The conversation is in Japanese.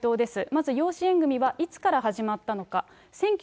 まず養子縁組はいつから始まったのか。